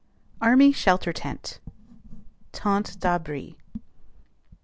ARMY SHELTER TENT (tente d'abri).